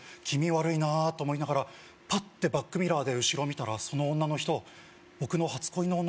気味悪いなと思いながらパッてバックミラーで後ろを見たらその女の人はい？